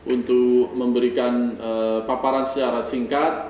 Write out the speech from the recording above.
untuk memberikan paparan secara singkat